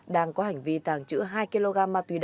đang có hành vi tàng trữ hai kg